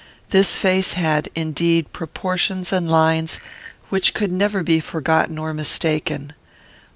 This face had, indeed, proportions and lines which could never be forgotten or mistaken.